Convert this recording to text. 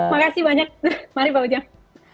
terima kasih banyak mari pak ujang